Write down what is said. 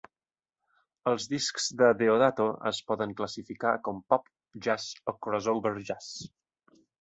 Els discs de Deodato es poden classificar com pop, jazz o crossover jazz.